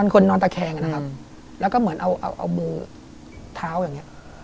คนนอนตะแคงนะครับแล้วก็เหมือนเอามือเท้าอย่างนี้